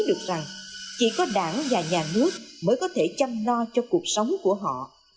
sức khỏe chỉ có đảng và nhà nước mới có thể chăm lo cho cuộc sống của họ